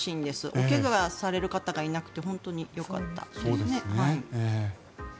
お怪我される方がいなくて本当によかったですね。